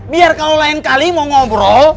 biar kalau lain kali mau ngobrol